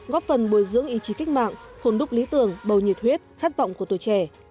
góp phần bồi dưỡng ý chí cách mạng hồn đúc lý tưởng bầu nhiệt huyết khát vọng của tuổi trẻ